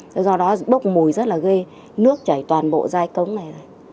thế do đó bốc mùi rất là ghê nước chảy toàn bộ dai cống này